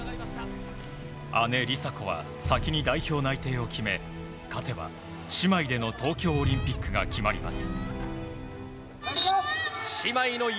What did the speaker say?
姉・梨紗子は先に代表内定を決め勝てば姉妹での東京オリンピックが決まります。